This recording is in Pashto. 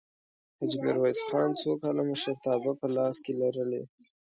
حاجي میرویس خان څو کاله مشرتابه په لاس کې لرلې؟